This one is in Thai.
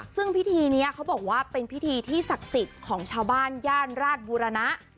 ซึ่งพิธีนี้เขาบอกว่าเป็นพิธีที่ศักดิ์สิทธิ์ของชาวบ้านย่านราชบุรณะ